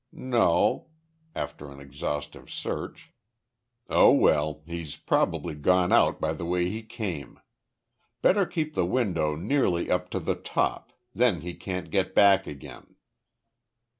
No," after an exhaustive search. "Oh well, he's probably gone out by the way he came. Better keep the window nearly up to the top then he can't get back again."